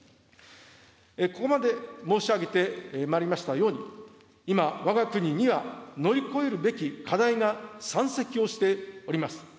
ここまで申し上げてまいりましたように、今、わが国には乗り越えるべき課題が山積をしております。